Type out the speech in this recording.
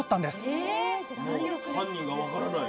もう犯人が分からない。